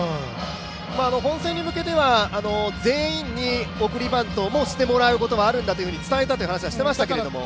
本戦に向けては、全員に送りバントをしてもらうことはあるんだと伝えたという話はしていましたけれども。